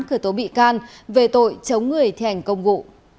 khởi tố bị can về tội chống người thẻnh công vụ